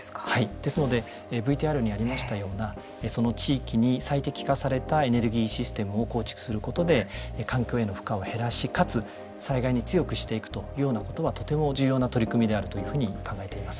ですのでＶＴＲにありましたようなその地域に最適化されたエネルギーシステムを構築することで環境への負荷を減らしかつ災害に強くしていくというようなことはとても重要な取り組みであるというふうに考えています。